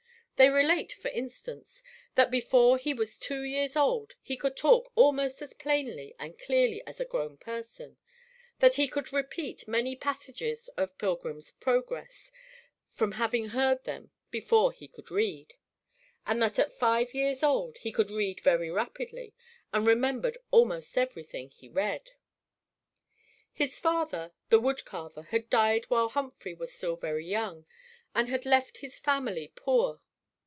They relate, for instance, that before he was two years old he could talk almost as plainly and clearly as a grown person; that he could repeat many passages of "Pilgrim's Progress," from having heard them, before he could read; and that at five years old he could read very rapidly, and remembered almost everything he read. His father, the wood carver, had died while Humphry was still very young, and had left his family poor.